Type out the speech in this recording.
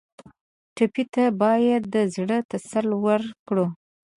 ټپي ته باید د زړه تسل ورکړو.